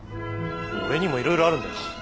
俺にもいろいろあるんだよ。